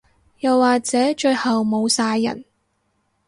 又或者最後冇晒人